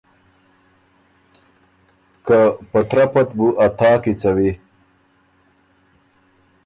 که ”په ترپه ت بُو ا تا کیڅوی“